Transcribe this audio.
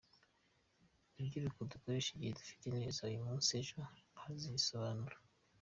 Rubyiruko dukoreshe igihe dufite neza uyu munsi, ejo hazisobanura.